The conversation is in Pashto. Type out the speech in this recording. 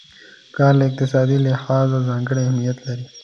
کار له اقتصادي لحاظه ځانګړی اهميت لري.